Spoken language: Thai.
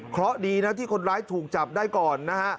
เพราะดีนะที่คนร้ายถูกจับได้ก่อนนะฮะ